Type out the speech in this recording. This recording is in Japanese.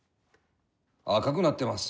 赤くなってます。